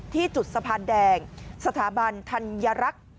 ที่จุดสะพานแดงสถาบันธัญรักษ์